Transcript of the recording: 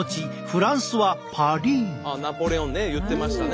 あっナポレオンね言ってましたね